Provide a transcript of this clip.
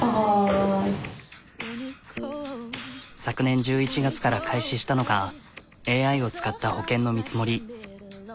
昨年１１月から開始したのがＡＩを使った保険の見積もり。